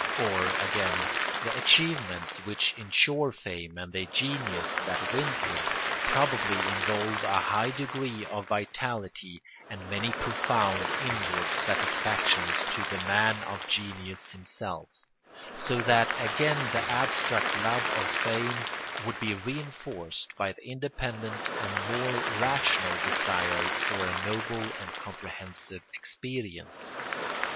Or, again, the achievements which insure fame and the genius that wins it probably involve a high degree of vitality and many profound inward satisfactions to the man of genius himself; so that again the abstract love of fame would be reinforced by the independent and more rational desire for a noble and comprehensive experience.